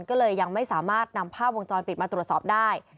ก็เลยยังไม่สามารถนำภาพวงจรปิดมาตรวจสอบได้